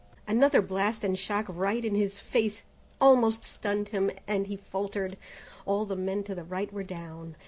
Another blast and shock, right in his face, almost stunned him, and he faltered. All the men to the right were down.